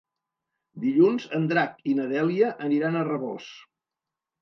Dilluns en Drac i na Dèlia aniran a Rabós.